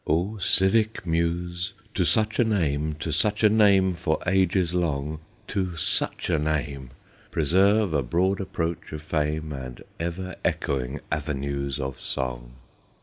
* O civic muse, to such a name, To such a name for ages long, To such a name, Preserve a broad approach of fame, And ever echoing avenues of song.'